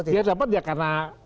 dia dapat ya karena kemudian disuruh